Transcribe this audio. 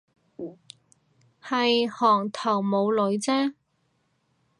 係行頭冇女啫